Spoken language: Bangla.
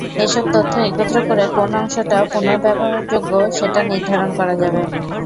এসব তথ্য একত্র করে কোন অংশটা পুনর্ব্যবহারযোগ্য সেটা নির্ধারণ করা যাবে।